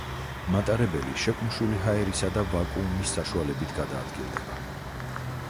მატარებელი შეკუმშული ჰაერისა და ვაკუუმის საშუალებით გადაადგილდება.